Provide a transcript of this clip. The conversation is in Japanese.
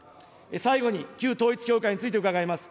最後に、旧統一教会について伺います。